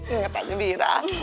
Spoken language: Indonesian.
ingat aja bira